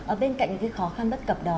ở bên cạnh cái khó khăn bất cập đó